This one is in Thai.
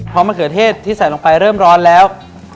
พอมะเขือเทศที่ใส่ลงไปเริ่มร้อนแล้ว